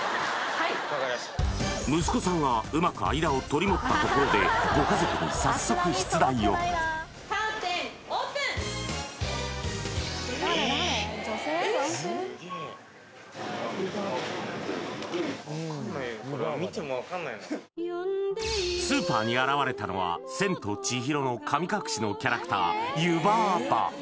はい息子さんがうまく間を取り持ったところでご家族に早速出題をスーパーに現れたのは「千と千尋の神隠し」のキャラクター湯婆婆